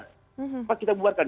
cepat kita bubarkan